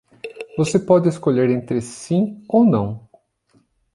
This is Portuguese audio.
Você pode escolher entre sim ou não.